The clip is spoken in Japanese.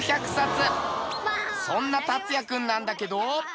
そんな達哉君なんだけど。